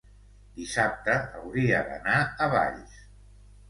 dissabte hauria d'anar a Valls.